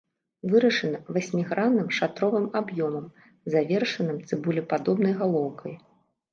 Вырашана васьмігранным шатровым аб'ёмам, завершаным цыбулепадобнай галоўкай.